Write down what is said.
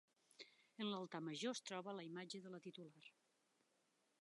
En l'altar major es troba la imatge de la titular.